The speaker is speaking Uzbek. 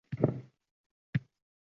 Muzeylar faoliyati takomillashmoqda